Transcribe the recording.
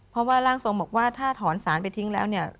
เพราะว่าร่างทรงบอกว่าถ้าถอนสารไปทิ้งแล้วเนี่ย